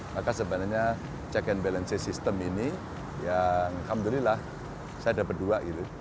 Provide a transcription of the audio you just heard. maka sebenarnya check and balance system ini ya alhamdulillah saya dapat dua gitu